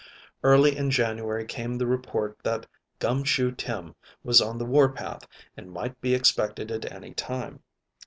Early in January came the report that "Gum Shoe Tim" was on the war path and might be expected at any time.